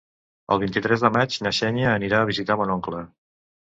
El vint-i-tres de maig na Xènia anirà a visitar mon oncle.